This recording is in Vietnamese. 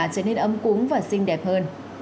trở nên ấm cúng và xinh đẹp hơn